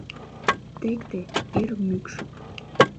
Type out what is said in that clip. Текте — ир мӱкш.